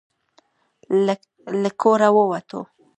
له کوره ووتو.